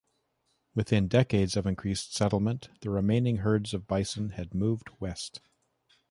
Within decades of increased settlement, the remaining herds of bison had moved west.